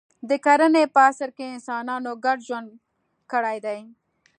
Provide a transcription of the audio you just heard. د کرنې په عصر کې انسانانو ګډ ژوند کړی دی.